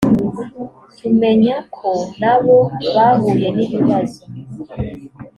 tumenya ko na bo bahuye n ibibazo